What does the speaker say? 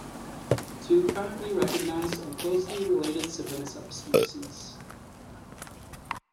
Two currently recognized and closely related sibling subspecies.